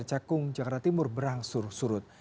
jakarta timur berangsur surut